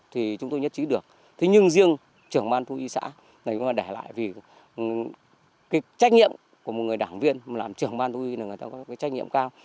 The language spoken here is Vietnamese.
trách nhiệm của một người đảng viên làm trưởng ban thú y là người ta có trách nhiệm cao